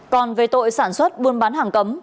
còn về tội sản xuất buôn bán hàng cấm